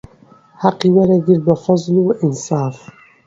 حەقی وەرئەگرت بە فەزڵ و ئینساف